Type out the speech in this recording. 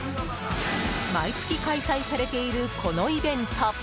毎月開催されているこのイベント。